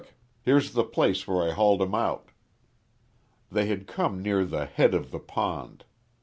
Here's the place where I hauled him out." They had come near the head of the pond.